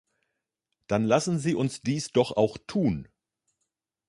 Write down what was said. Dann lassen Sie uns dies doch auch tun.